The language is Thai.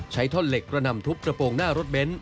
ท่อนเหล็กกระหน่ำทุบกระโปรงหน้ารถเบนท์